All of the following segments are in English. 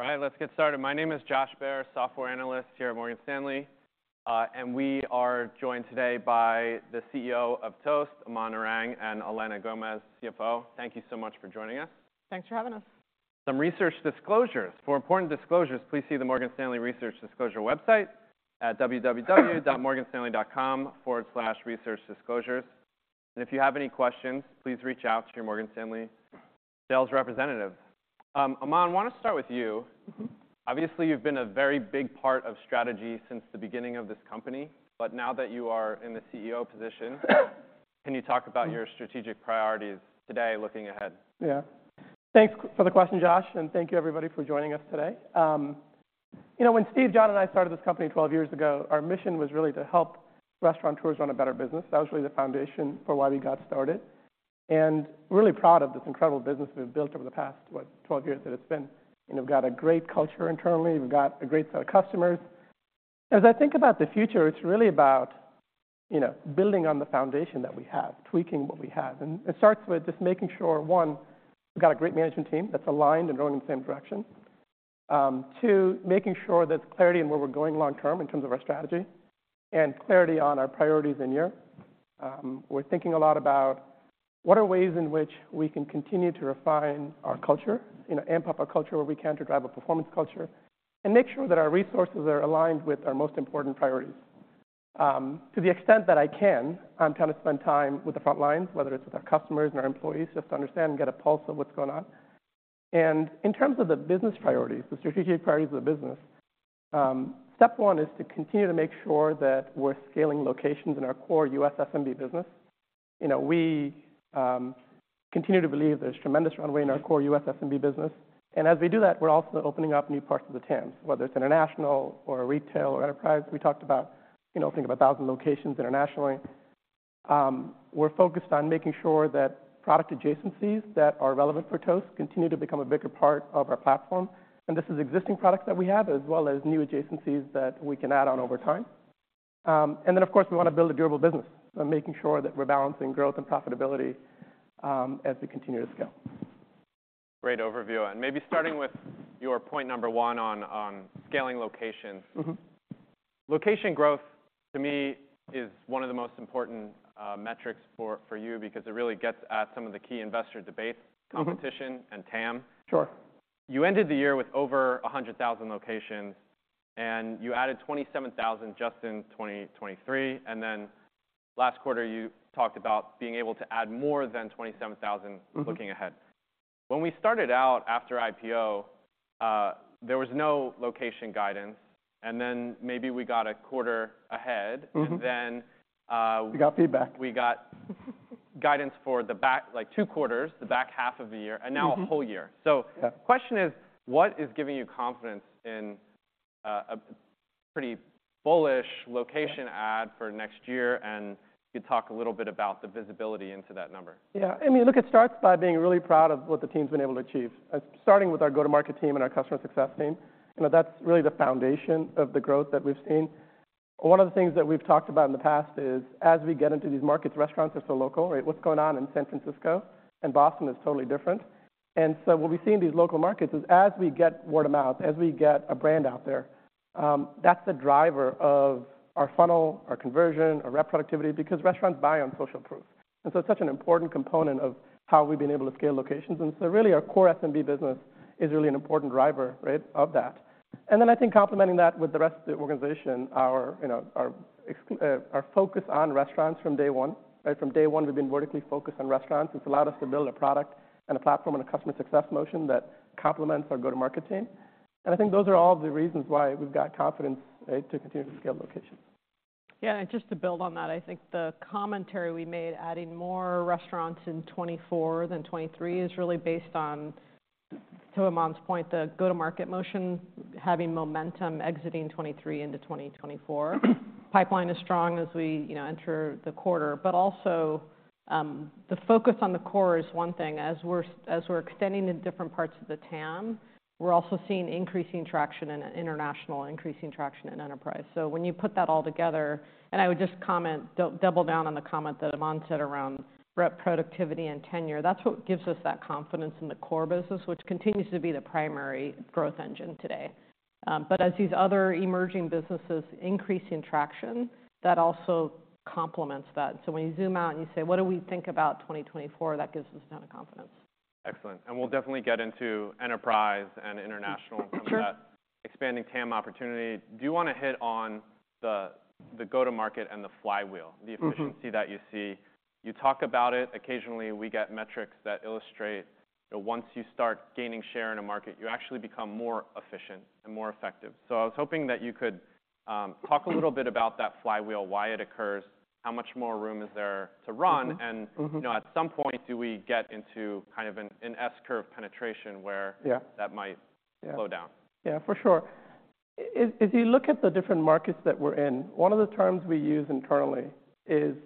All right, let's get started. My name is Josh Baer, Software Analyst here at Morgan Stanley. We are joined today by the CEO of Toast, Aman Narang, and Elena Gomez, CFO. Thank you so much for joining us. Thanks for having us. Some research disclosures. For important disclosures, please see the Morgan Stanley Research Disclosure website at www.morganstanley.com/researchdisclosures. If you have any questions, please reach out to your Morgan Stanley sales representative. Aman, wanna start with you. Mm-hmm. Obviously, you've been a very big part of strategy since the beginning of this company, but now that you are in the CEO position, can you talk about your strategic priorities today looking ahead? Yeah. Thanks for the question, Josh, and thank you, everybody, for joining us today. You know, when Steve, Jon, and I started this company 12 years ago, our mission was really to help restaurant owners run a better business. That was really the foundation for why we got started. We're really proud of this incredible business we've built over the past, what, 12 years that it's been. You know, we've got a great culture internally. We've got a great set of customers. As I think about the future, it's really about, you know, building on the foundation that we have, tweaking what we have. It starts with just making sure, one, we've got a great management team that's aligned and going in the same direction. 2, making sure there's clarity in where we're going long-term in terms of our strategy and clarity on our priorities in-year. We're thinking a lot about what are ways in which we can continue to refine our culture, you know, amp up our culture where we can to drive a performance culture, and make sure that our resources are aligned with our most important priorities. To the extent that I can, I'm trying to spend time with the front lines, whether it's with our customers and our employees, just to understand and get a pulse of what's going on. In terms of the business priorities, the strategic priorities of the business, step one is to continue to make sure that we're scaling locations in our core U.S. SMB business. You know, we continue to believe there's tremendous runway in our core U.S. SMB business. And as we do that, we're also opening up new parts of the TAMs, whether it's international or retail or enterprise. We talked about, you know, thinking about 1,000 locations internationally. We're focused on making sure that product adjacencies that are relevant for Toast continue to become a bigger part of our platform, and this is existing products that we have as well as new adjacencies that we can add on over time. And then, of course, we wanna build a durable business, so making sure that we're balancing growth and profitability, as we continue to scale. Great overview. Maybe starting with your point number one on scaling locations. Mm-hmm. Location growth, to me, is one of the most important metrics for you because it really gets at some of the key investor debates, competition, and TAM. Sure. You ended the year with over 100,000 locations, and you added 27,000 just in 2023. Then last quarter, you talked about being able to add more than 27,000 looking ahead. Mm-hmm. When we started out after IPO, there was no location guidance. And then maybe we got a quarter ahead. Mm-hmm. And then, We got feedback. We got guidance for the back, like, two quarters, the back half of the year, and now a whole year. So. Yeah. Question is, what is giving you confidence in a pretty bullish location add for next year? And you could talk a little bit about the visibility into that number. Yeah. I mean, look, it starts by being really proud of what the team's been able to achieve, starting with our go-to-market team and our customer success team. You know, that's really the foundation of the growth that we've seen. One of the things that we've talked about in the past is, as we get into these markets, restaurants are so local, right? What's going on in San Francisco and Boston is totally different. And so what we see in these local markets is, as we get word of mouth, as we get a brand out there, that's the driver of our funnel, our conversion, our reproducibility because restaurants buy on social proof. And so it's such an important component of how we've been able to scale locations. And so really, our core SMB business is really an important driver, right, of that. And then I think, complementing that with the rest of the organization, our, you know, our focus on restaurants from day one, right? From day one, we've been vertically focused on restaurants. It's allowed us to build a product and a platform and a customer success motion that complements our go-to-market team. And I think those are all of the reasons why we've got confidence, right, to continue to scale locations. Yeah. And just to build on that, I think the commentary we made, adding more restaurants in 2024 than 2023, is really based on, to Aman's point, the go-to-market motion, having momentum exiting 2023 into 2024. Pipeline is strong as we, you know, enter the quarter. But also, the focus on the core is one thing. As we're extending to different parts of the TAM, we're also seeing increasing traction in international, increasing traction in enterprise. So when you put that all together and I would just comment, double down on the comment that Aman said around reproducibility and tenure. That's what gives us that confidence in the core business, which continues to be the primary growth engine today. But as these other emerging businesses increase in traction, that also complements that. And so when you zoom out and you say, "What do we think about 2024?" that gives us a ton of confidence. Excellent. And we'll definitely get into enterprise and international and some of that. Sure. Expanding TAM opportunity. Do you wanna hit on the go-to-market and the flywheel, the efficiency that you see? You talk about it. Occasionally, we get metrics that illustrate, you know, once you start gaining share in a market, you actually become more efficient and more effective. So I was hoping that you could talk a little bit about that flywheel, why it occurs, how much more room is there to run. And. Mm-hmm. You know, at some point, do we get into kind of an S-curve penetration where. Yeah. That might slow down? Yeah, for sure. If you look at the different markets that we're in, one of the terms we use internally is,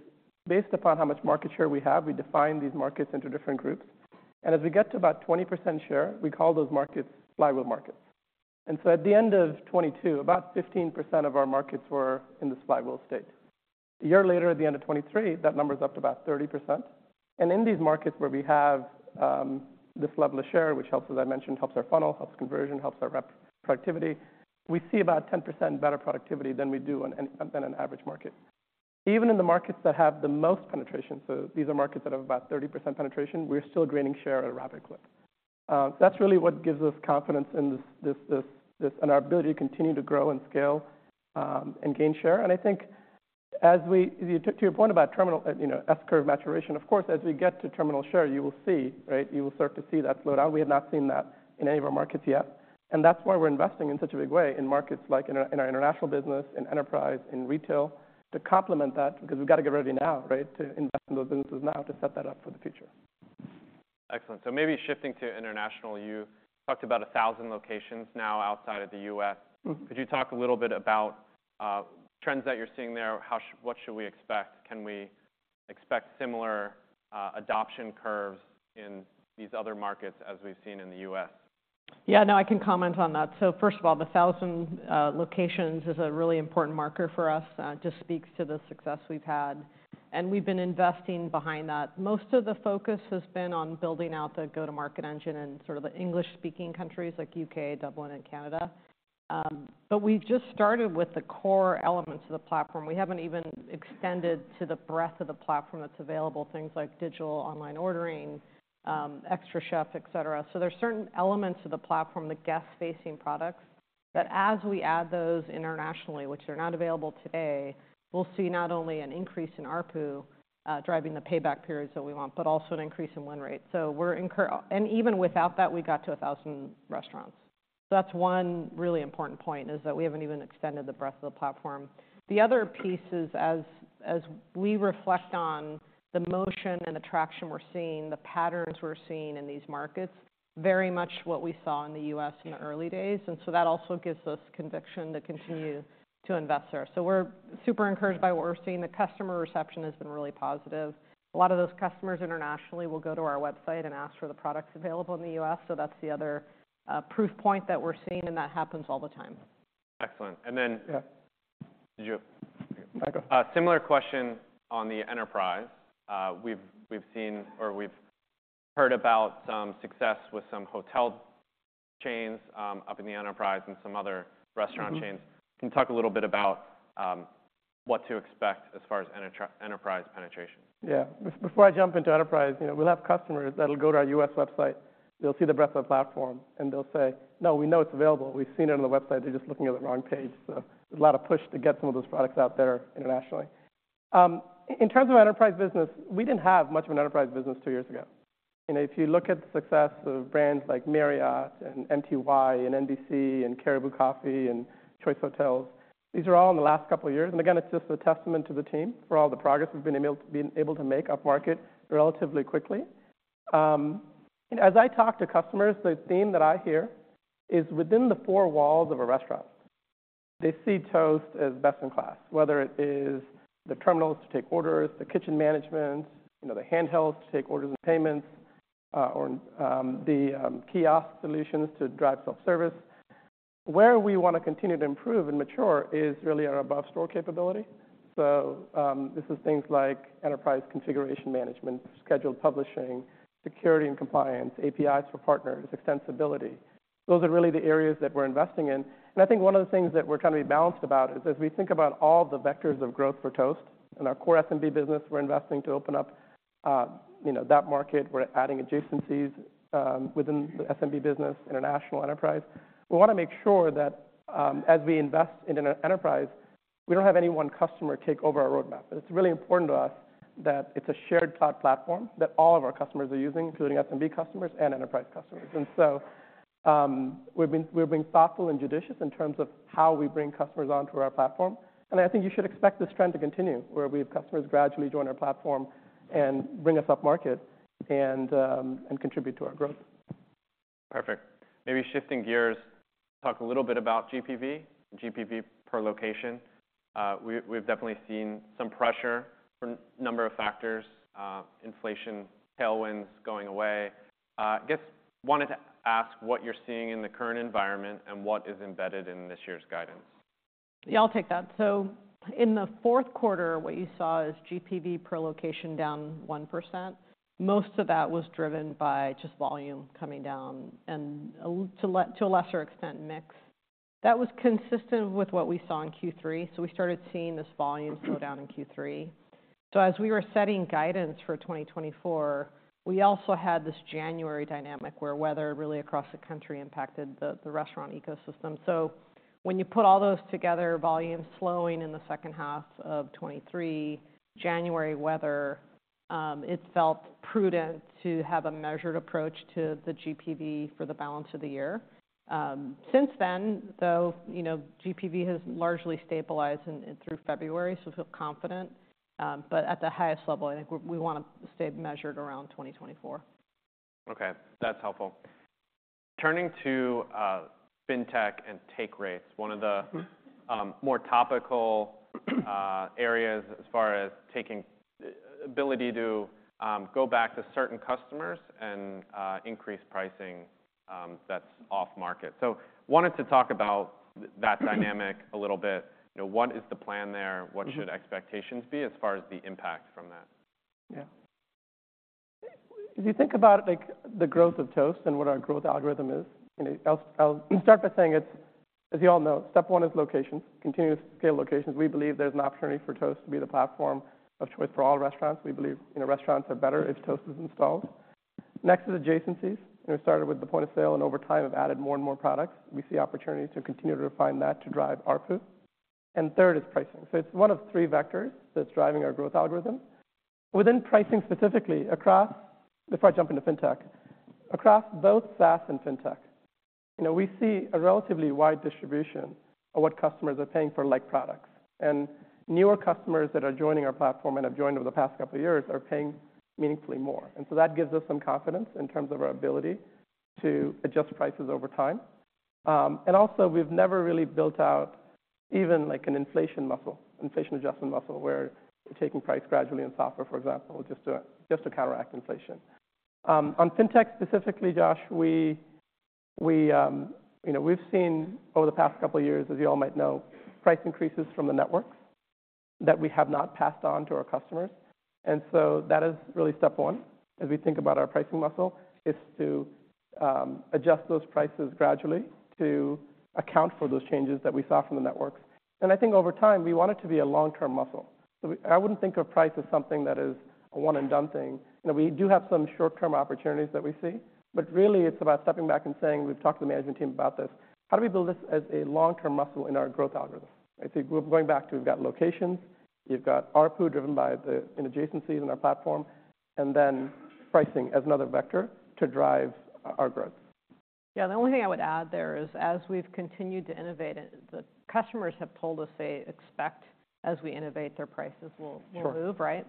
based upon how much market share we have, we define these markets into different groups. As we get to about 20% share, we call those markets flywheel markets. So at the end of 2022, about 15% of our markets were in this flywheel state. A year later, at the end of 2023, that number's up to about 30%. In these markets where we have this level of share, which helps, as I mentioned, helps our funnel, helps conversion, helps our reproducibility, we see about 10% better productivity than we do on any than an average market. Even in the markets that have the most penetration, so these are markets that have about 30% penetration, we're still gaining share at a rapid clip. So that's really what gives us confidence in this and our ability to continue to grow and scale, and gain share. And I think, as we to your point about terminal, you know, S-curve maturation, of course, as we get to terminal share, you will see, right? You will start to see that slow down. We have not seen that in any of our markets yet. And that's why we're investing in such a big way in markets like our international business, in enterprise, in retail, to complement that because we've gotta get ready now, right, to invest in those businesses now to set that up for the future. Excellent. So maybe shifting to international, you talked about 1,000 locations now outside of the U.S. Mm-hmm. Could you talk a little bit about trends that you're seeing there? How should what should we expect? Can we expect similar adoption curves in these other markets as we've seen in the US? Yeah. No, I can comment on that. So first of all, the 1,000 locations is a really important marker for us. It just speaks to the success we've had. We've been investing behind that. Most of the focus has been on building out the go-to-market engine in sort of the English-speaking countries like U.K., Dublin, and Canada. But we've just started with the core elements of the platform. We haven't even extended to the breadth of the platform that's available, things like digital online ordering, xtraCHEF, etc. So there's certain elements of the platform, the guest-facing products, that as we add those internationally, which are not available today, we'll see not only an increase in ARPU, driving the payback periods that we want, but also an increase in win rate. So we're incur and even without that, we got to 1,000 restaurants. So that's one really important point, is that we haven't even extended the breadth of the platform. The other piece is, as we reflect on the motion and the traction we're seeing, the patterns we're seeing in these markets, very much what we saw in the U.S. in the early days. And so that also gives us conviction to continue to invest there. So we're super encouraged by what we're seeing. The customer reception has been really positive. A lot of those customers internationally will go to our website and ask for the products available in the U.S. So that's the other proof point that we're seeing. And that happens all the time. Excellent. And then. Yeah. Did you. Michael. Similar question on the enterprise. We've seen or we've heard about some success with some hotel chains up in the enterprise and some other restaurant chains. Can you talk a little bit about what to expect as far as enterprise penetration? Yeah. Before I jump into enterprise, you know, we'll have customers that'll go to our U.S. website. They'll see the breadth of the platform, and they'll say, "No, we know it's available. We've seen it on the website. They're just looking at the wrong page." So there's a lot of push to get some of those products out there internationally. In terms of our enterprise business, we didn't have much of an enterprise business two years ago. You know, if you look at the success of brands like Marriott and MTY and NBC and Caribou Coffee and Choice Hotels, these are all in the last couple of years. And again, it's just a testament to the team for all the progress we've been able to be able to make up market relatively quickly. You know, as I talk to customers, the theme that I hear is, within the four walls of a restaurant, they see Toast as best-in-class, whether it is the terminals to take orders, the kitchen management, you know, the handhelds to take orders and payments, or the kiosk solutions to drive self-service. Where we wanna continue to improve and mature is really our above-store capability. So, this is things like enterprise configuration management, scheduled publishing, security and compliance, APIs for partners, extensibility. Those are really the areas that we're investing in. And I think one of the things that we're trying to be balanced about is, as we think about all the vectors of growth for Toast in our core SMB business, we're investing to open up, you know, that market. We're adding adjacencies, within the SMB business, international enterprise. We want to make sure that, as we invest in an enterprise, we don't have any one customer take over our roadmap. It's really important to us that it's a shared platform that all of our customers are using, including SMB customers and enterprise customers. So, we've been thoughtful and judicious in terms of how we bring customers onto our platform. I think you should expect this trend to continue, where we have customers gradually join our platform and bring us up market and contribute to our growth. Perfect. Maybe shifting gears, talk a little bit about GPV, GPV per location. We've definitely seen some pressure for a number of factors, inflation, tailwinds going away. I guess wanted to ask what you're seeing in the current environment and what is embedded in this year's guidance. Yeah. I'll take that. So in the fourth quarter, what you saw is GPV per location down 1%. Most of that was driven by just volume coming down and, to a lesser extent, mix. That was consistent with what we saw in Q3. So we started seeing this volume slow down in Q3. So as we were setting guidance for 2024, we also had this January dynamic where weather really across the country impacted the restaurant ecosystem. So when you put all those together, volume slowing in the second half of 2023, January weather, it felt prudent to have a measured approach to the GPV for the balance of the year. Since then, though, you know, GPV has largely stabilized in through February, so we feel confident. But at the highest level, I think we wanna stay measured around 2024. Okay. That's helpful. Turning to fintech and take rates, one of the more topical areas as far as taking the ability to go back to certain customers and increase pricing, that's off market. So wanted to talk about that dynamic a little bit. You know, what is the plan there? What should expectations be as far as the impact from that? Yeah. If you think about, like, the growth of Toast and what our growth algorithm is, you know, I'll, I'll start by saying it's, as you all know, step one is locations, continue to scale locations. We believe there's an opportunity for Toast to be the platform of choice for all restaurants. We believe, you know, restaurants are better if Toast is installed. Next is adjacencies. You know, we started with the point of sale, and over time, we've added more and more products. We see opportunities to continue to refine that to drive ARPU. And third is pricing. So it's one of three vectors that's driving our growth algorithm. Within pricing specifically, across before I jump into fintech, across both SaaS and fintech, you know, we see a relatively wide distribution of what customers are paying for like products. Newer customers that are joining our platform and have joined over the past couple of years are paying meaningfully more. So that gives us some confidence in terms of our ability to adjust prices over time. And also, we've never really built out even, like, an inflation muscle, inflation adjustment muscle, where we're taking price gradually in software, for example, just to counteract inflation. On fintech specifically, Josh, we, you know, we've seen over the past couple of years, as you all might know, price increases from the networks that we have not passed on to our customers. So that is really step one, as we think about our pricing muscle, is to adjust those prices gradually to account for those changes that we saw from the networks. I think over time, we want it to be a long-term muscle. So, I wouldn't think of price as something that is a one-and-done thing. You know, we do have some short-term opportunities that we see. But really, it's about stepping back and saying, we've talked to the management team about this. How do we build this as a long-term muscle in our growth algorithm, right? So we're going back to we've got locations, you've got ARPU driven by the and adjacencies in our platform, and then pricing as another vector to drive our growth. Yeah. The only thing I would add there is, as we've continued to innovate, the customers have told us, say, "Expect, as we innovate, their prices will move," right?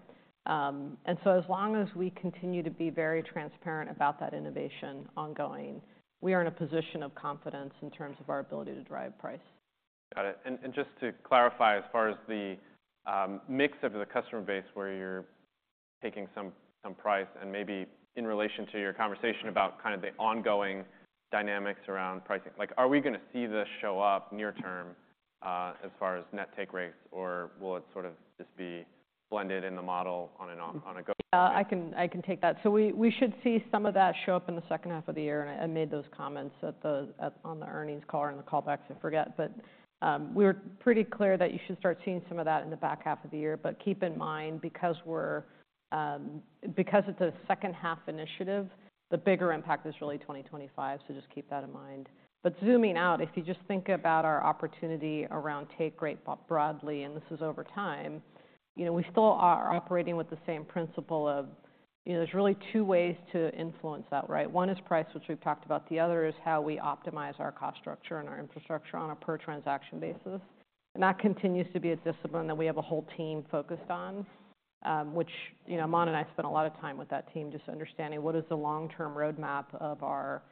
Sure. As long as we continue to be very transparent about that innovation ongoing, we are in a position of confidence in terms of our ability to drive price. Got it. And just to clarify, as far as the mix of the customer base where you're taking some price and maybe in relation to your conversation about kind of the ongoing dynamics around pricing, like, are we going to see this show up near term, as far as net take rates, or will it sort of just be blended in the model on an on a? Yeah. I can I can take that. So we, we should see some of that show up in the second half of the year. And I, I made those comments at the at on the earnings call or in the callbacks. I forget. But, we were pretty clear that you should start seeing some of that in the back half of the year. But keep in mind, because we're, because it's a second-half initiative, the bigger impact is really 2025. So just keep that in mind. But zooming out, if you just think about our opportunity around take rate broadly, and this is over time, you know, we still are operating with the same principle of, you know, there's really two ways to influence that, right? One is price, which we've talked about. The other is how we optimize our cost structure and our infrastructure on a per-transaction basis. And that continues to be a discipline that we have a whole team focused on, which, you know, Aman and I spent a lot of time with that team just understanding what is the long-term roadmap of our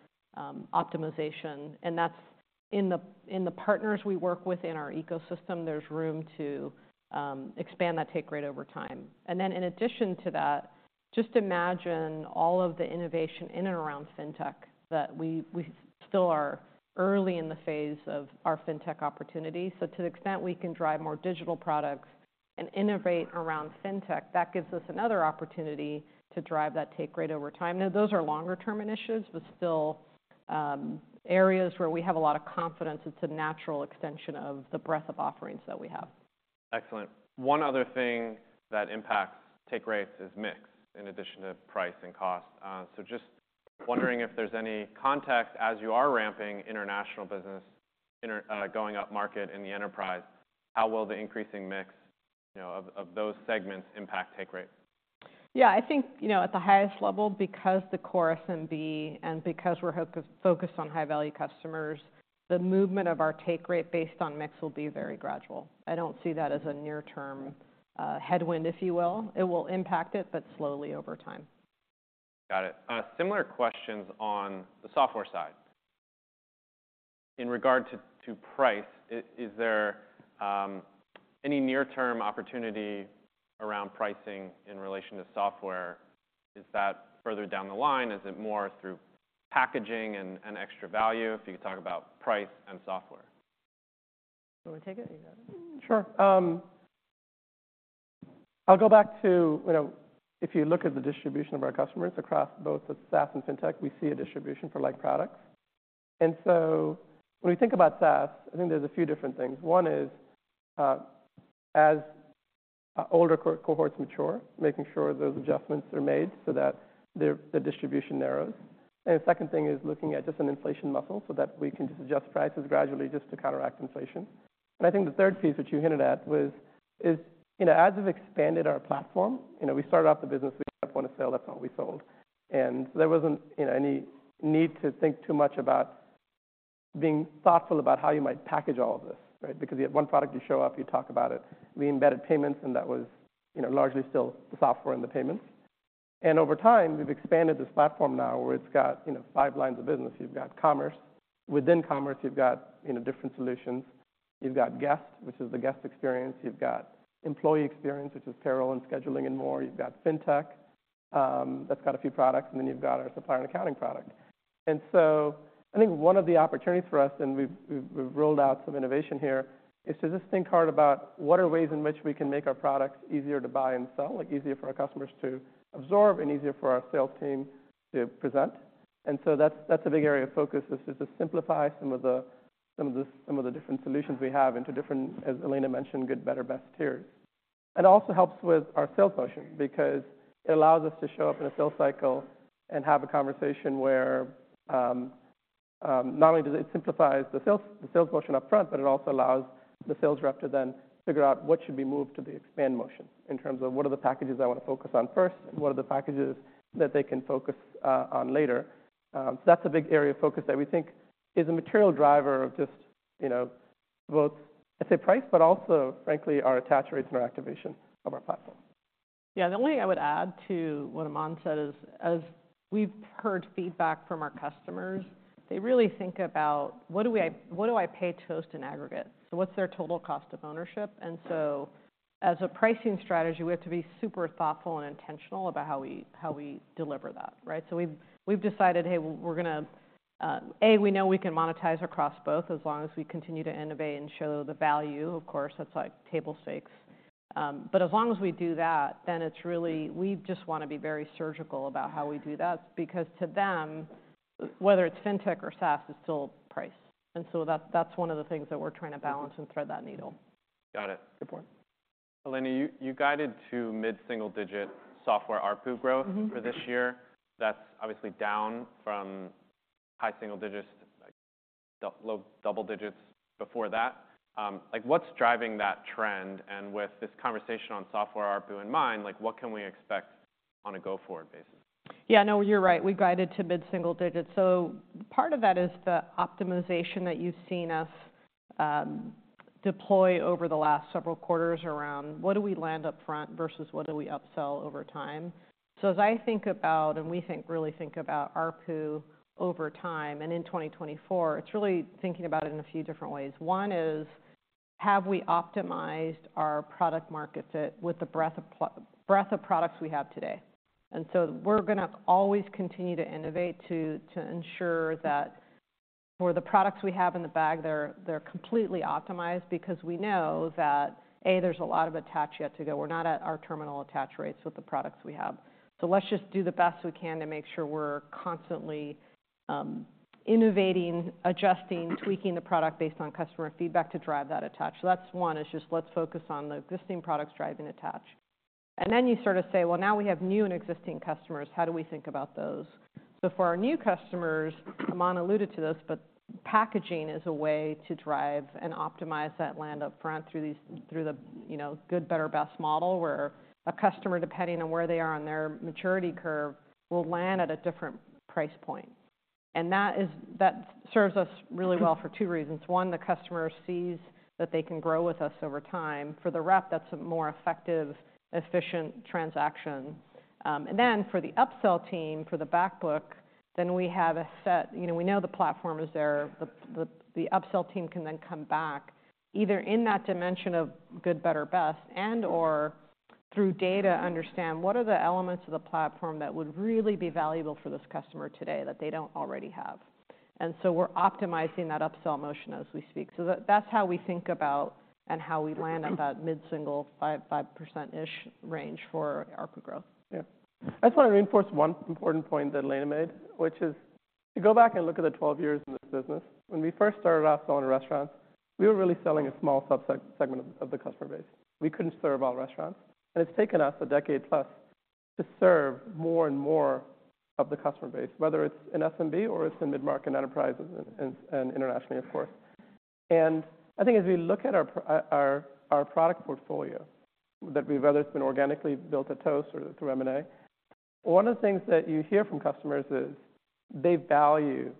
optimization. And that's in the partners we work with in our ecosystem; there's room to expand that take rate over time. And then, in addition to that, just imagine all of the innovation in and around fintech that we, we still are early in the phase of our fintech opportunity. So to the extent we can drive more digital products and innovate around fintech, that gives us another opportunity to drive that take rate over time. Now, those are longer-term initiatives, but still, areas where we have a lot of confidence. It's a natural extension of the breadth of offerings that we have. Excellent. One other thing that impacts take rates is mix, in addition to price and cost. So just wondering if there's any context, as you are ramping international business and you're going up market in the enterprise, how will the increasing mix, you know, of those segments impact take rate? Yeah. I think, you know, at the highest level, because the core SMB and because we're so focused on high-value customers, the movement of our take rate based on mix will be very gradual. I don't see that as a near-term headwind, if you will. It will impact it, but slowly over time. Got it. Similar questions on the software side. In regard to price, is there any near-term opportunity around pricing in relation to software? Is that further down the line? Is it more through packaging and extra value? If you could talk about price and software? You want to take it? You got it. Sure. I'll go back to, you know, if you look at the distribution of our customers across both the SaaS and fintech, we see a distribution for like products. And so when we think about SaaS, I think there's a few different things. One is, as older cohorts mature, making sure those adjustments are made so that their distribution narrows. And the second thing is looking at just an inflation muscle so that we can just adjust prices gradually just to counteract inflation. And I think the third piece, which you hinted at, is, you know, as we've expanded our platform, you know, we started off the business. We had a point of sale. That's all we sold. And so there wasn't, you know, any need to think too much about being thoughtful about how you might package all of this, right? Because you had one product. You show up. You talk about it. We embedded payments, and that was, you know, largely still the software and the payments. And over time, we've expanded this platform now, where it's got, you know, five lines of business. You've got commerce. Within commerce, you've got, you know, different solutions. You've got guest, which is the guest experience. You've got employee experience, which is payroll and scheduling and more. You've got fintech, that's got a few products. And then you've got our supplier and accounting product. So I think one of the opportunities for us, and we've rolled out some innovation here, is to just think hard about what are ways in which we can make our products easier to buy and sell, like, easier for our customers to absorb and easier for our sales team to present. So that's a big area of focus, is to just simplify some of the different solutions we have into different, as Elena mentioned, good, better, best tiers. It also helps with our sales motion because it allows us to show up in a sales cycle and have a conversation where, not only does it simplify the sales motion upfront, but it also allows the sales rep to then figure out what should be moved to the expand motion in terms of what are the packages I want to focus on first and what are the packages that they can focus on later. That's a big area of focus that we think is a material driver of just, you know, both, I'd say, price, but also, frankly, our attach rates and our activation of our platform. Yeah. The only thing I would add to what Aman said is, as we've heard feedback from our customers, they really think about, "What do I pay Toast in aggregate?" So what's their total cost of ownership? And so as a pricing strategy, we have to be super thoughtful and intentional about how we deliver that, right? So we've decided, "Hey, well, we're gonna, A, we know we can monetize across both as long as we continue to innovate and show the value. Of course, that's, like, table stakes. But as long as we do that, then it's really we just wanna be very surgical about how we do that because, to them, whether it's fintech or SaaS, it's still price. And so that, that's one of the things that we're trying to balance and thread that needle. Got it. Good point. Elena, you, you guided to mid-single-digit software ARPU growth for this year. That's obviously down from high-single-digits, like, double low double digits before that. Like, what's driving that trend? And with this conversation on software ARPU in mind, like, what can we expect on a go-forward basis? Yeah. No, you're right. We guided to mid-single-digit. So part of that is the optimization that you've seen us deploy over the last several quarters around what do we land upfront versus what do we upsell over time? So as I think about and we really think about ARPU over time and in 2024, it's really thinking about it in a few different ways. One is, have we optimized our product market fit with the breadth of products we have today? And so we're going to always continue to innovate to ensure that for the products we have in the bag, they're completely optimized because we know that, A, there's a lot of attach yet to go. We're not at our terminal attach rates with the products we have. So let's just do the best we can to make sure we're constantly innovating, adjusting, tweaking the product based on customer feedback to drive that attach. So that's one, is just let's focus on the existing products driving attach. And then you sort of say, "Well, now we have new and existing customers. How do we think about those?" So for our new customers, Aman alluded to this, but packaging is a way to drive and optimize that land upfront through the, you know, good, better, best model where a customer, depending on where they are on their maturity curve, will land at a different price point. And that is, that serves us really well for two reasons. One, the customer sees that they can grow with us over time. For the rep, that's a more effective, efficient transaction. And then for the upsell team, for the backbook, then we have a set you know, we know the platform is there. The upsell team can then come back either in that dimension of good, better, best and/or through data understand what are the elements of the platform that would really be valuable for this customer today that they don't already have? And so we're optimizing that upsell motion as we speak. So that that's how we think about and how we land at that mid-single, 5, 5%-ish range for ARPU growth. Yeah. I just want to reinforce one important point that Elena made, which is to go back and look at the 12 years in this business. When we first started off selling to restaurants, we were really selling a small sub-segment of the customer base. We couldn't serve all restaurants. And it's taken us a decade plus to serve more and more of the customer base, whether it's in SMB or it's in mid-market enterprises and internationally, of course. And I think as we look at our product portfolio, that we've built, whether it's been organically at Toast or through M&A, one of the things that you hear from customers is they value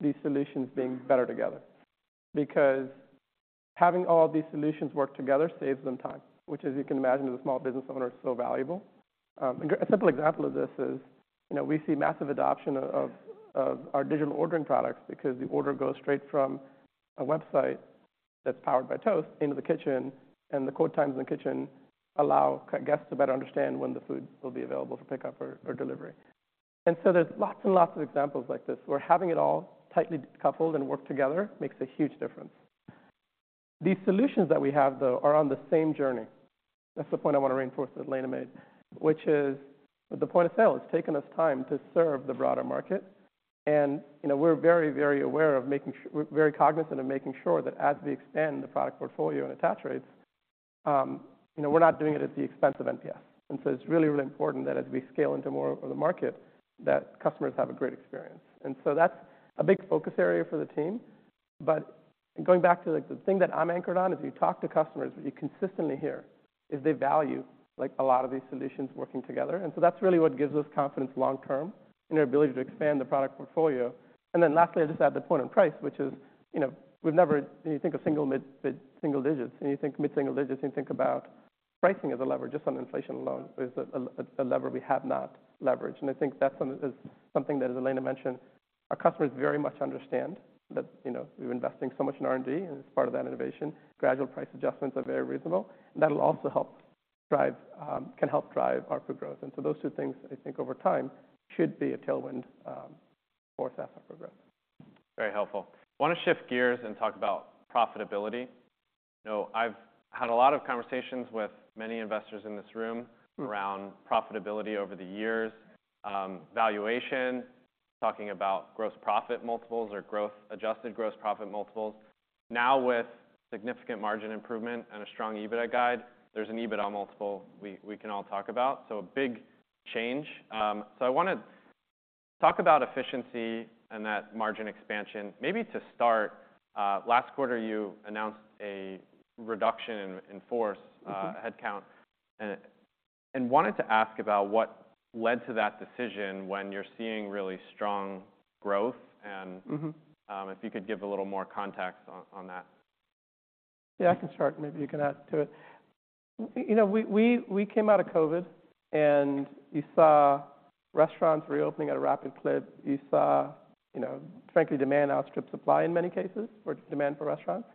these solutions being better together because having all of these solutions work together saves them time, which, as you can imagine, as a small business owner, is so valuable. A great simple example of this is, you know, we see massive adoption of our digital ordering products because the order goes straight from a website that's powered by Toast into the kitchen. And the wait times in the kitchen allow guests to better understand when the food will be available for pickup or delivery. And so there's lots and lots of examples like this, where having it all tightly coupled and worked together makes a huge difference. These solutions that we have, though, are on the same journey. That's the point I want to reinforce that Elena made, which is the point of sale. It's taken us time to serve the broader market. You know, we're very, very aware of making sure we're very cognizant of making sure that as we expand the product portfolio and attach rates, you know, we're not doing it at the expense of NPS. And so it's really, really important that as we scale into more of the market, that customers have a great experience. And so that's a big focus area for the team. But going back to, like, the thing that I'm anchored on, as you talk to customers, what you consistently hear is they value, like, a lot of these solutions working together. And so that's really what gives us confidence long term in our ability to expand the product portfolio. And then lastly, I'll just add the point on price, which is, you know, we've never you think of single mid-mid single digits. And you think mid-single digits, and you think about pricing as a lever, just on inflation alone, is a lever we have not leveraged. And I think that's something that, as Elena mentioned, our customers very much understand that, you know, we're investing so much in R&D, and it's part of that innovation. Gradual price adjustments are very reasonable. And that'll also help drive, can help drive ARPU growth. And so those two things, I think, over time should be a tailwind for SaaS ARPU growth. Very helpful. Want to shift gears and talk about profitability. You know, I've had a lot of conversations with many investors in this room around profitability over the years, valuation, talking about gross profit multiples or growth adjusted gross profit multiples. Now, with significant margin improvement and a strong EBITDA guide, there's an EBITDA multiple we, we can all talk about. So a big change. So I wanna talk about efficiency and that margin expansion. Maybe to start, last quarter, you announced a reduction in, in force, headcount. Mm-hmm. Wanted to ask about what led to that decision when you're seeing really strong growth. If you could give a little more context on that. Yeah. I can start. Maybe you can add to it. Well, you know, we came out of COVID, and you saw restaurants reopening at a rapid clip. You saw, you know, frankly, demand outstrip supply in many cases or demand for restaurants.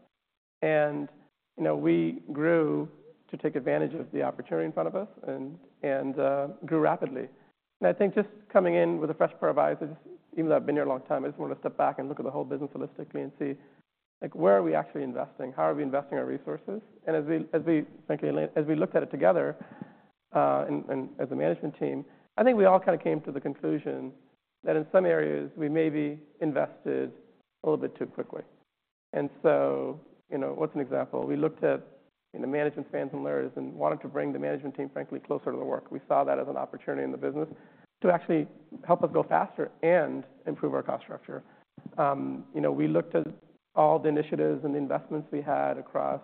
And, you know, we grew to take advantage of the opportunity in front of us and grew rapidly. And I think just coming in with a fresh pair of eyes, I just, even though I've been here a long time, I just wanna step back and look at the whole business holistically and see, like, where are we actually investing? How are we investing our resources? And as we frankly, Elena, as we looked at it together, and as a management team, I think we all kinda came to the conclusion that, in some areas, we maybe invested a little bit too quickly. And so, you know, what's an example? We looked at, you know, management spans and layers and wanted to bring the management team, frankly, closer to the work. We saw that as an opportunity in the business to actually help us go faster and improve our cost structure. You know, we looked at all the initiatives and the investments we had across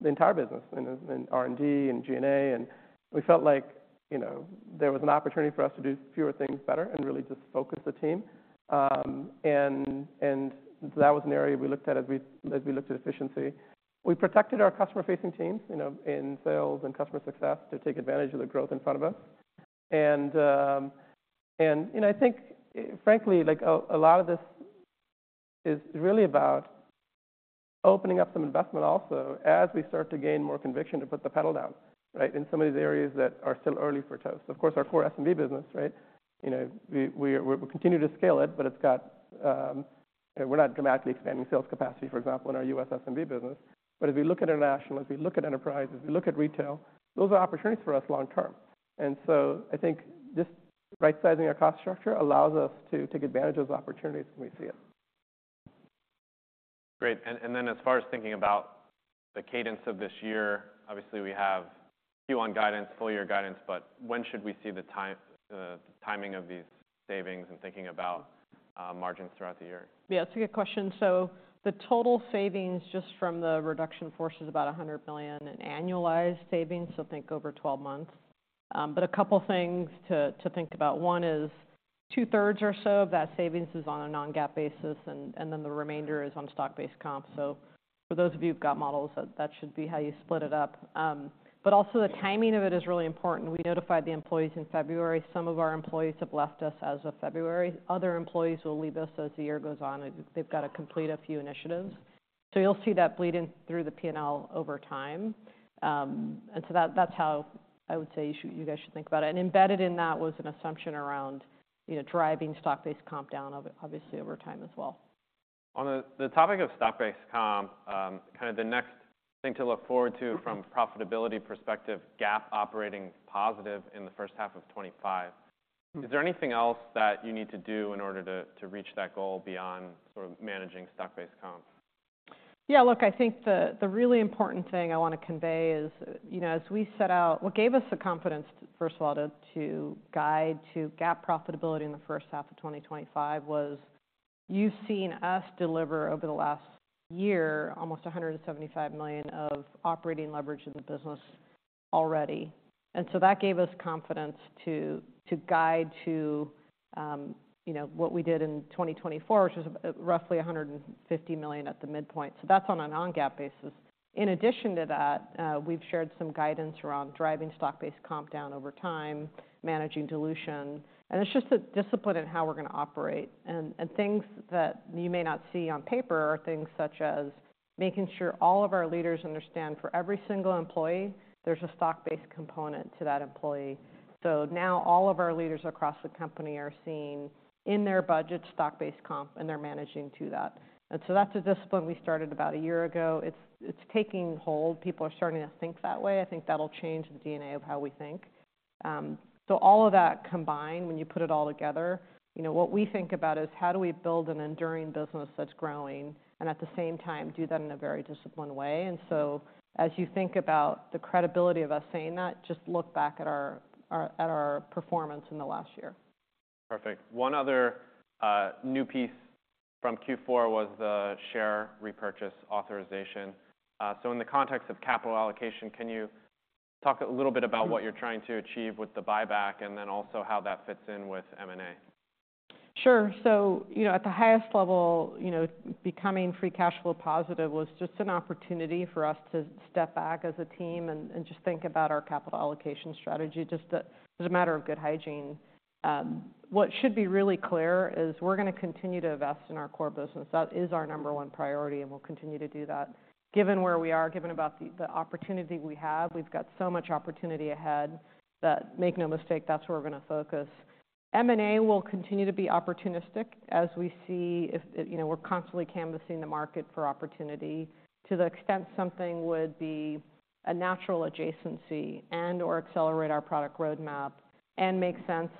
the entire business in R&D and G&A. And we felt like, you know, there was an opportunity for us to do fewer things better and really just focus the team. And so that was an area we looked at as we looked at efficiency. We protected our customer-facing teams, you know, in sales and customer success to take advantage of the growth in front of us. You know, I think, frankly, like, a lot of this is really about opening up some investment also as we start to gain more conviction to put the pedal down, right, in some of these areas that are still early for Toast. Of course, our core SMB business, right? You know, we're continuing to scale it, but it's got, you know, we're not dramatically expanding sales capacity, for example, in our U.S. SMB business. But as we look at international, as we look at enterprise, as we look at retail, those are opportunities for us long term. And so I think just right-sizing our cost structure allows us to take advantage of those opportunities when we see it. Great. And then as far as thinking about the cadence of this year, obviously, we have Q1 guidance, full-year guidance. But when should we see the timing of these savings and thinking about margins throughout the year? Yeah. That's a good question. So the total savings just from the reduction in force is about $100 million in annualized savings. So think over 12 months. A couple things to think about. One is two-thirds or so of that savings is on a non-GAAP basis, and then the remainder is on stock-based comp. So for those of you who've got models, that should be how you split it up. But also, the timing of it is really important. We notified the employees in February. Some of our employees have left us as of February. Other employees will leave us as the year goes on. They've gotta complete a few initiatives. So you'll see that bleed in through the P&L over time. And so that's how I would say you should you guys should think about it. Embedded in that was an assumption around, you know, driving stock-based comp down, obviously, over time as well. On the topic of stock-based comp, kinda the next thing to look forward to from profitability perspective, GAAP operating positive in the first half of 2025. Is there anything else that you need to do in order to reach that goal beyond sort of managing stock-based comp? Yeah. Look, I think the really important thing I wanna convey is, you know, as we set out what gave us the confidence, first of all, to guide to GAAP profitability in the first half of 2025 was you've seen us deliver over the last year almost $175 million of operating leverage in the business already. And so that gave us confidence to guide to, you know, what we did in 2024, which was roughly $150 million at the midpoint. So that's on a non-GAAP basis. In addition to that, we've shared some guidance around driving stock-based comp down over time, managing dilution. And it's just the discipline in how we're gonna operate. And things that you may not see on paper are things such as making sure all of our leaders understand for every single employee, there's a stock-based component to that employee. So now, all of our leaders across the company are seeing in their budget stock-based comp, and they're managing to that. So that's a discipline we started about a year ago. It's taking hold. People are starting to think that way. I think that'll change the DNA of how we think. So all of that combined, when you put it all together, you know, what we think about is, how do we build an enduring business that's growing and, at the same time, do that in a very disciplined way? So as you think about the credibility of us saying that, just look back at our performance in the last year. Perfect. One other, new piece from Q4 was the share repurchase authorization. So in the context of capital allocation, can you talk a little bit about what you're trying to achieve with the buyback and then also how that fits in with M&A? Sure. So, you know, at the highest level, you know, becoming free cash flow positive was just an opportunity for us to step back as a team and just think about our capital allocation strategy just as a matter of good hygiene. What should be really clear is we're gonna continue to invest in our core business. That is our number one priority, and we'll continue to do that given where we are, given about the opportunity we have. We've got so much opportunity ahead that, make no mistake, that's where we're gonna focus. M&A will continue to be opportunistic as we see if, you know, we're constantly canvassing the market for opportunity to the extent something would be a natural adjacency and/or accelerate our product roadmap and make sense,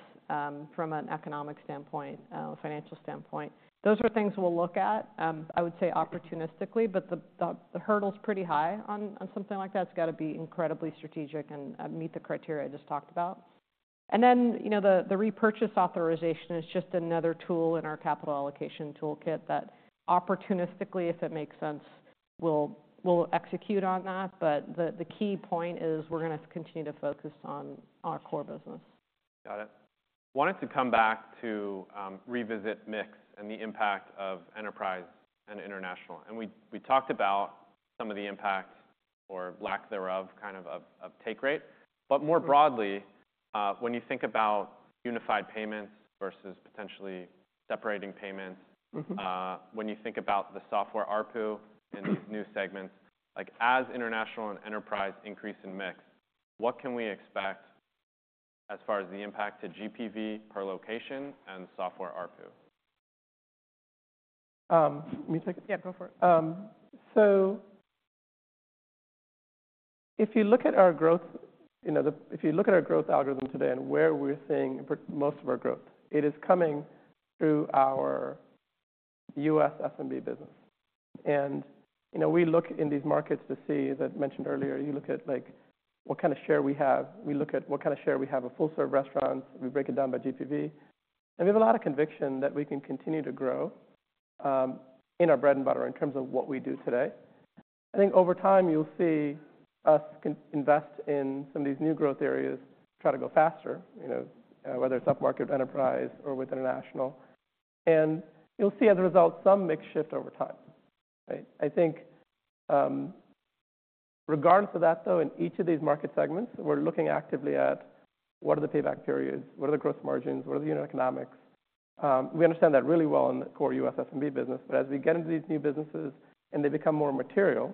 from an economic standpoint, financial standpoint. Those are things we'll look at, I would say, opportunistically. But the hurdle's pretty high on something like that. It's gotta be incredibly strategic and meet the criteria I just talked about. And then, you know, the repurchase authorization is just another tool in our capital allocation toolkit that, opportunistically, if it makes sense, we'll execute on that. But the key point is we're gonna continue to focus on our core business. Got it. Wanted to come back to, revisit mix and the impact of enterprise and international. And we talked about some of the impact or lack thereof kind of take rate. But more broadly, when you think about unified payments versus potentially separating payments, when you think about the software ARPU and these new segments, like, as international and enterprise increase in mix, what can we expect as far as the impact to GPV per location and software ARPU? Let me take a yeah. Go for it. So if you look at our growth, you know, if you look at our growth algorithm today and where we're seeing most of our growth, it is coming through our U.S. SMB business. And, you know, we look in these markets to see as mentioned earlier, you look at, like, what kinda share we have. We look at what kinda share we have of full-service restaurants. We break it down by GPV. And we have a lot of conviction that we can continue to grow, in our bread and butter in terms of what we do today. I think, over time, you'll see us continue to invest in some of these new growth areas, try to go faster, you know, whether it's upmarket enterprise or with international. And you'll see, as a result, some mix shift over time, right? I think, regardless of that, though, in each of these market segments, we're looking actively at what are the payback periods? What are the gross margins? What are the unit economics? We understand that really well in the core U.S. SMB business. But as we get into these new businesses and they become more material,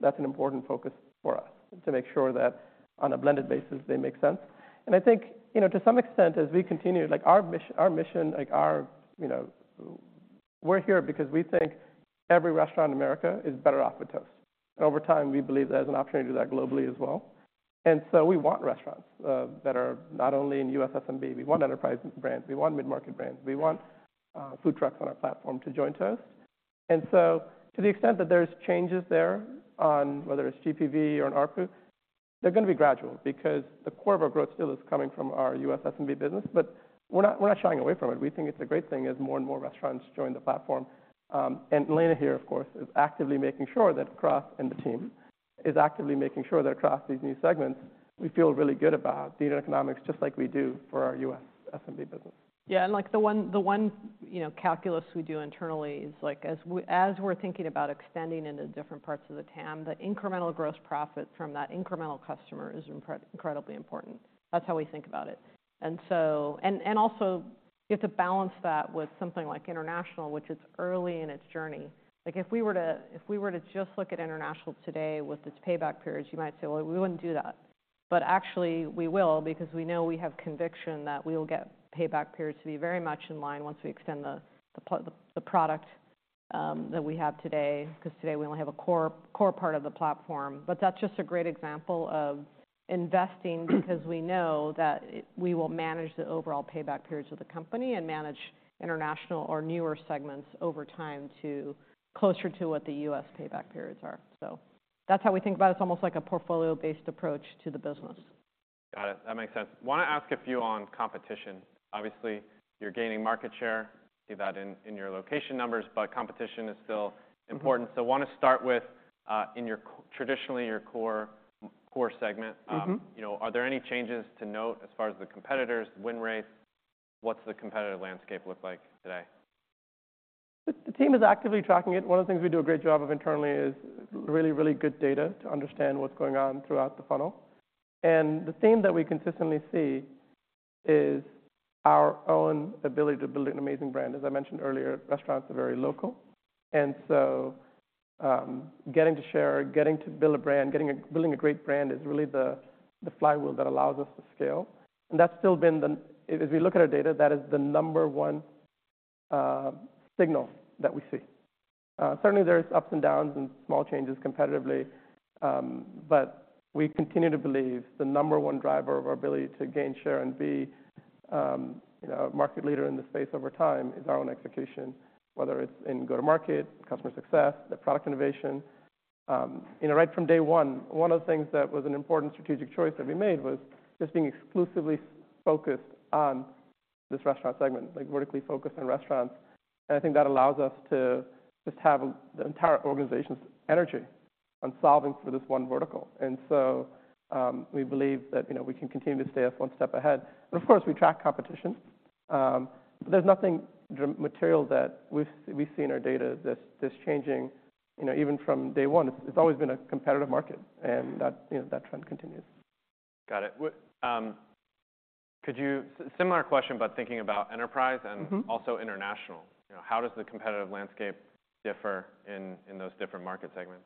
that's an important focus for us to make sure that, on a blended basis, they make sense. And I think, you know, to some extent, as we continue, like, our mission our mission, like, our, you know, we're here because we think every restaurant in America is better off with Toast. And over time, we believe that as an opportunity to do that globally as well. And so we want restaurants that are not only in U.S. SMB. We want enterprise brands. We want mid-market brands. We want food trucks on our platform to join Toast. So to the extent that there's changes there on whether it's GPV or an ARPU, they're gonna be gradual because the core of our growth still is coming from our U.S. SMB business. But we're not shying away from it. We think it's a great thing as more and more restaurants join the platform. And Elena here, of course, is actively making sure that Chris and the team is actively making sure that across these new segments, we feel really good about the unit economics just like we do for our U.S. SMB business. Yeah. And, like, the one, you know, calculus we do internally is, like, as we're thinking about extending into different parts of the TAM, the incremental gross profit from that incremental customer is incredibly important. That's how we think about it. And also, you have to balance that with something like international, which it's early in its journey. Like, if we were to just look at international today with its payback periods, you might say, "Well, we wouldn't do that." But, actually, we will because we know we have conviction that we'll get payback periods to be very much in line once we extend the product that we have today 'cause today, we only have a core part of the platform. But that's just a great example of investing because we know that we will manage the overall payback periods of the company and manage international or newer segments over time to closer to what the U.S. payback periods are. So that's how we think about it. It's almost like a portfolio-based approach to the business. Got it. That makes sense. Wanna ask a few on competition. Obviously, you're gaining market share. See that in your location numbers. But competition is still important. So wanna start with, in your core traditionally, your core segment. You know, are there any changes to note as far as the competitors, win rates? What's the competitor landscape look like today? The team is actively tracking it. One of the things we do a great job of internally is really, really good data to understand what's going on throughout the funnel. And the theme that we consistently see is our own ability to build an amazing brand. As I mentioned earlier, restaurants are very local. And so, getting to share, getting to build a brand, getting a building a great brand is really the, the flywheel that allows us to scale. And that's still been the as we look at our data, that is the number one, signal that we see. Certainly, there's ups and downs and small changes competitively. But we continue to believe the number one driver of our ability to gain share and be, you know, a market leader in the space over time is our own execution, whether it's in go-to-market, customer success, the product innovation. You know, right from day one, one of the things that was an important strategic choice that we made was just being exclusively focused on this restaurant segment, like, vertically focused on restaurants. And I think that allows us to just have the entire organization's energy on solving for this one vertical. And so, we believe that, you know, we can continue to stay one step ahead. And, of course, we track competition. But there's nothing dramatic that we've seen in our data, this changing, you know, even from day one. It's always been a competitive market. And that, you know, that trend continues. Got it. What, could you similar question but thinking about enterprise and also international. You know, how does the competitive landscape differ in those different market segments?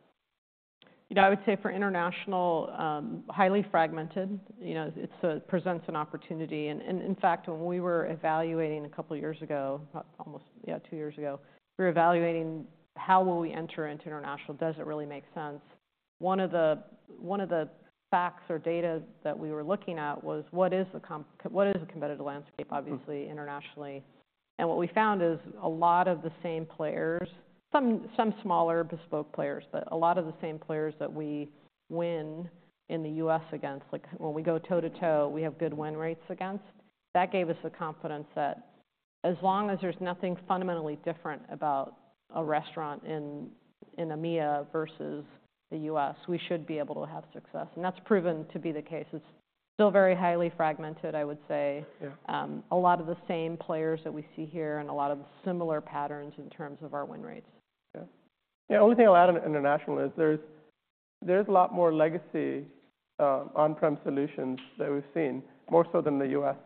You know, I would say, for international, highly fragmented. You know, it presents an opportunity. And, in fact, when we were evaluating a couple years ago, almost, yeah, two years ago, we were evaluating, how will we enter into international? Does it really make sense? One of the facts or data that we were looking at was, what is the competitive landscape, obviously, internationally? And what we found is a lot of the same players, some smaller bespoke players, but a lot of the same players that we win in the U.S. against, like, when we go toe to toe, we have good win rates against. That gave us the confidence that, as long as there's nothing fundamentally different about a restaurant in EMEA versus the U.S., we should be able to have success. That's proven to be the case. It's still very highly fragmented, I would say. A lot of the same players that we see here and a lot of similar patterns in terms of our win rates. Yeah. Yeah. The only thing I'll add on international is there's a lot more legacy on-prem solutions that we've seen more so than the U.S.,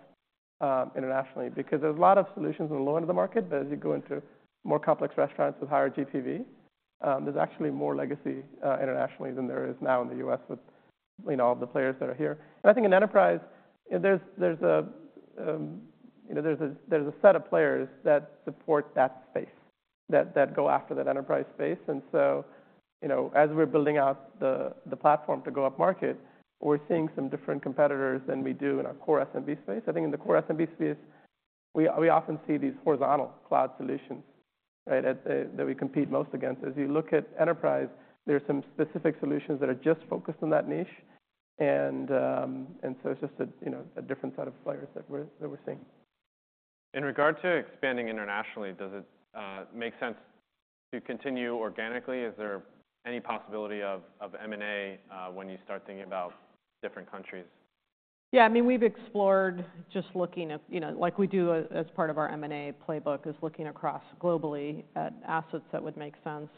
internationally because there's a lot of solutions in the low end of the market. But as you go into more complex restaurants with higher GPV, there's actually more legacy internationally than there is now in the U.S. with, you know, all of the players that are here. And I think in enterprise, you know, there's a set of players that support that space that go after that enterprise space. And so, you know, as we're building out the platform to go upmarket, we're seeing some different competitors than we do in our core SMB space. I think, in the core SMB space, we often see these horizontal cloud solutions, right, that we compete most against. As you look at enterprise, there's some specific solutions that are just focused on that niche. And so it's just a, you know, a different set of players that we're seeing. In regard to expanding internationally, does it make sense to continue organically? Is there any possibility of M&A, when you start thinking about different countries? Yeah. I mean, we've explored just looking at, you know, like, we do as part of our M&A playbook is looking across globally at assets that would make sense.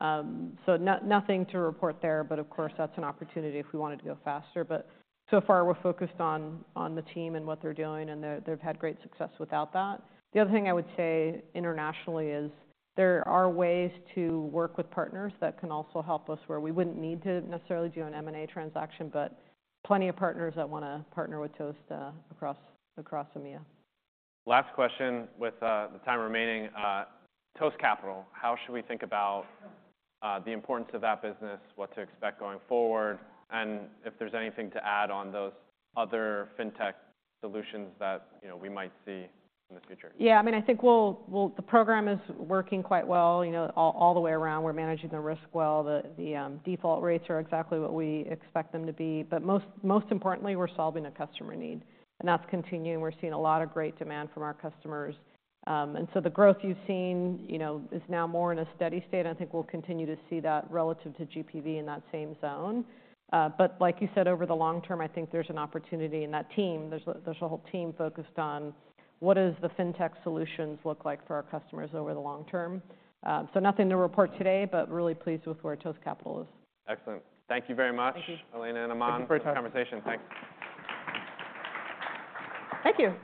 So nothing to report there. But, of course, that's an opportunity if we wanted to go faster. But, so far, we're focused on the team and what they're doing. And they're, they've had great success without that. The other thing I would say, internationally, is there are ways to work with partners that can also help us where we wouldn't need to necessarily do an M&A transaction. But plenty of partners that want to partner with Toast, across EMEA. Last question with the time remaining. Toast Capital, how should we think about the importance of that business, what to expect going forward, and if there's anything to add on those other fintech solutions that, you know, we might see in the future? Yeah. I mean, I think we'll the program is working quite well, you know, all the way around. We're managing the risk well. The default rates are exactly what we expect them to be. But most importantly, we're solving a customer need. And that's continuing. We're seeing a lot of great demand from our customers. And so the growth you've seen, you know, is now more in a steady state. And I think we'll continue to see that relative to GPV in that same zone. But, like you said, over the long term, I think there's an opportunity. And that team, there's a whole team focused on, what does the fintech solutions look like for our customers over the long term? So nothing to report today, but really pleased with where Toast Capital is. Excellent. Thank you very much, Elena and Aman, for the conversation. Thank you. Thank you.